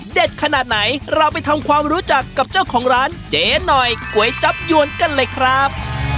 ขนาดไหนเราไปทำความรู้จักกับเจ้าของร้านเจ๊หน่อยก๋วยจับยวนกันเลยครับ